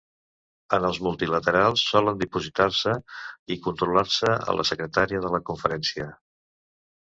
En els multilaterals solen dipositar-se i controlar-se a la secretaria de la conferència.